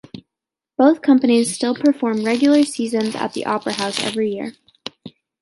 Both companies still perform regular seasons at the Opera House every year.